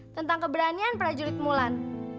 tentang keberanian prajurit mulan